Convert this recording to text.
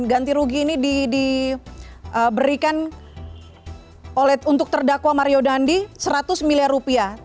ganti rugi ini diberikan untuk terdakwa mario dandi seratus miliar rupiah